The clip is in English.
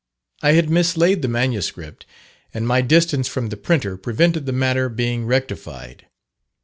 I had mislaid the MS., and my distance from the printer prevented the matter being rectified.